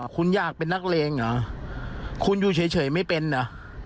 คุณอยากเป็นนักเลงอ่ะคุณอยู่เฉยเฉยไม่เป็นอ่ะ